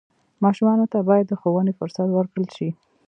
ماشومانو ته باید د ښوونې فرصت ورکړل شي.